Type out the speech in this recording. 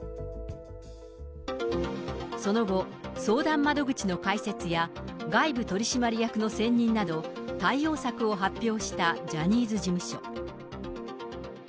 その後、相談窓口の開設や外部取締役の選任など、対応策を発表したジャニーズ事務所。